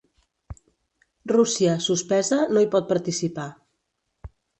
Rússia, suspesa, no hi pot participar.